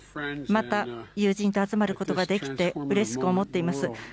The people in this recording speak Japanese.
また友人と集まることができてうれしく思っています。